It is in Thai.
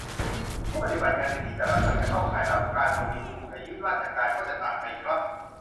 ผู้ปฏิบัติงานที่ในแต่ละครั้งจะเข้าข่ายรับการทวีคูณอายุราชการ ก็จะต่างไปครับ